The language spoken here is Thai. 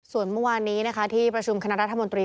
ส่วนเมื่อวานนี้นะคะที่ประชุมคณะรัฐมนตรี